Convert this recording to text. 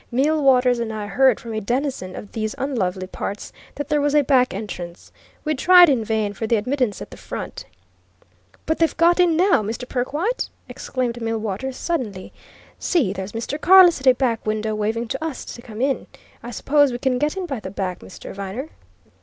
Millwaters and I heard from a denizen of these unlovely parts that there was a back entrance. We'd tried in vain for admittance at the front " "But they've got in now, Mr. Perkwite!" exclaimed Millwaters suddenly. "See, there's Mr. Carless at a back window, waving to us to come in. I suppose we can get in by the back, Mr. Viner?"